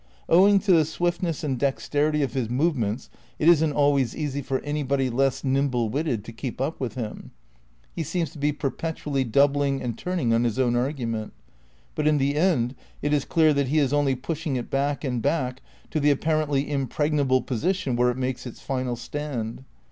Owing to the swiftness and dexterity of his movements it isn't always easy for anybody less nimble witted to keep up with him ; he seems to be per petually doubling and turning on his own argument; but in the end it is clear that he is only pushing it back and back to the apparently impregnable position where it makes its final stand.